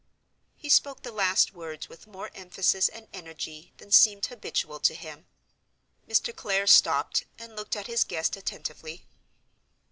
He spoke the last words with more emphasis and energy than seemed habitual to him. Mr. Clare stopped, and looked at his guest attentively.